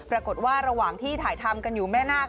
ระหว่างที่ถ่ายทำกันอยู่แม่นาค